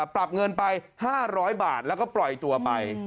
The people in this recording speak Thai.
ปรับเงินไป๕๐๐บาทแล้วก็ปล่อยตัวไป